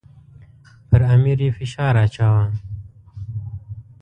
پر امیر یې فشار اچاوه.